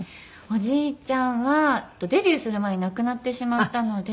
おじいちゃんはデビューする前に亡くなってしまったので。